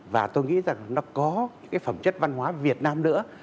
và tôi nghĩ rằng nó có cái phẩm chất văn hóa việt nam nữa